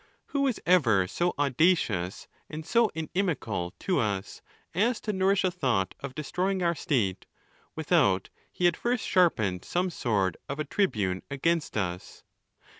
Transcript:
Who was ever so audacious and so inithical to us, as to nourish a thought of destroying our state, without he had first sharpened some sword of a tribune against us?